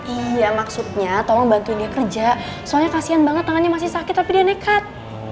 iya maksudnya tolong bantu dia kerja soalnya kasian banget tangannya masih sakit tapi dia nekat